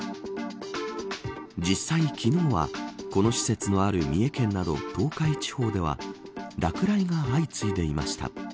実際、昨日はこの施設のある三重県など東海地方では落雷が相次いでいました。